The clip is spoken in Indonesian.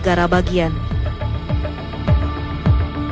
hal ini sesuai dengan hasil perjalanan